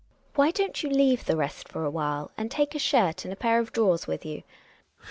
Why don't you leave the rest for a while, and take a shirt and a pair of drawers with you. Hjalmau. Phew